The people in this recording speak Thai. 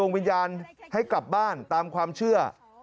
มีความเชื่อ